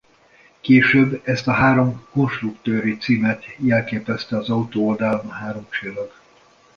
Később ezt a három konstruktőri címet jelképezte az autó oldalán a három csillag.